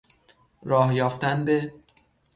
راه یافتن به...